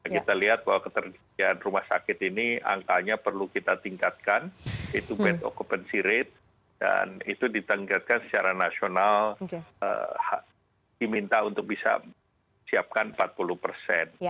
kita lihat bahwa ketersediaan rumah sakit ini angkanya perlu kita tingkatkan itu bad occupancy rate dan itu ditenggetkan secara nasional diminta untuk bisa siapkan empat puluh persen